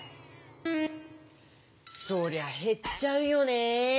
そりゃへっちゃうよね。